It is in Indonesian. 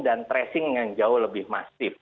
dan tracing yang jauh lebih masif